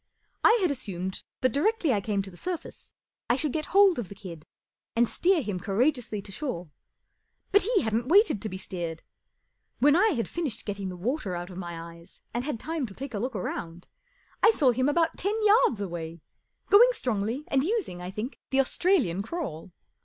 I had assumed that directly I came to the surface I should get hold of the kid and steer him courageously to shore. But lie hadn't waited to be steered. When I had finished getting the water out of my eyes and had time to take a look round, I saw him about ten yards away, going strongly and using, I think, the Australian crawl.